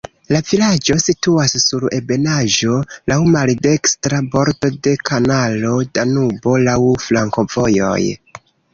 La vilaĝo situas sur ebenaĵo, laŭ maldekstra bordo de kanalo Danubo, laŭ flankovojoj.